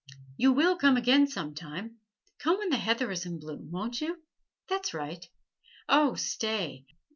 You will come again some time, come when the heather is in bloom, won't you? That's right. Oh, stay!